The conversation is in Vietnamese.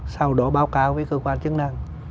sau đó báo cáo với cơ quan chức năng